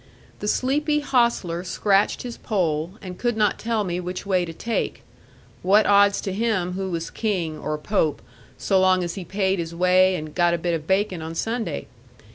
The sleepy hostler scratched his poll, and could not tell me which way to take; what odds to him who was King, or Pope, so long as he paid his way, and got a bit of bacon on Sunday?